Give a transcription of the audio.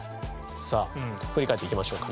さあ振り返っていきましょうかね。